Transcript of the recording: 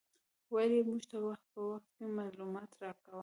ویل یې موږ ته وخت په وخت معلومات راکاوه.